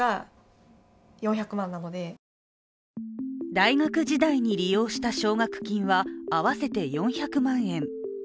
大学時代に利用した奨学金は、合わせて４００万円。